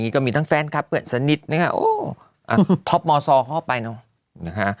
ก็มีทั้งแฟนคลับเพื่อนสนิทนะครับโอ้ท็อปมซอเข้าไปเนอะนะฮะ